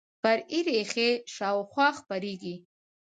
فرعي ریښې شاوخوا خپریږي